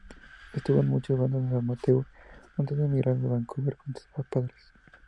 Estuvo en muchas bandas amateur antes de emigrar a Vancouver con sus padres.